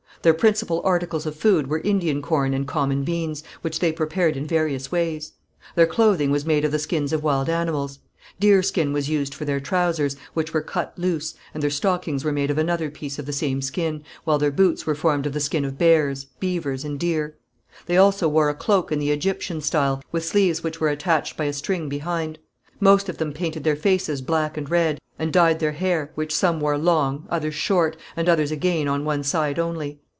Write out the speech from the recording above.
Their principal articles of food were Indian corn and common beans, which they prepared in various ways. Their clothing was made of the skins of wild animals. Deer skin was used for their trousers, which were cut loose, and their stockings were made of another piece of the same skin, while their boots were formed of the skin of bears, beavers and deer. They also wore a cloak in the Egyptian style, with sleeves which were attached by a string behind. Most of them painted their faces black and red, and dyed their hair, which some wore long, others short, and others again on one side only.